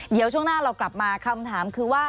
เดี๋ยวช่วงหน้าเรากลับมาคำถามคือว่า